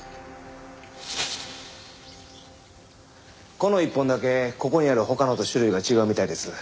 この１本だけここにある他のと種類が違うみたいです。